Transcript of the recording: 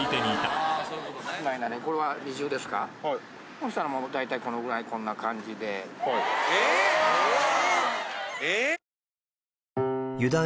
・そしたらもう大体このぐらいこんな感じで・エーッ！？